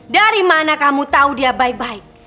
dari mana kamu tahu dia baik baik